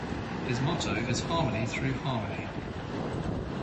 His motto is Harmony through harmony.